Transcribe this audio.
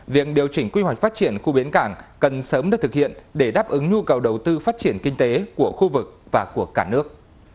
việc điều chỉnh quy hoạch phát triển khu bến cảng cần sớm được thực hiện để đáp ứng nhu cầu đầu tư phát triển kinh tế của khu vực và của cả nước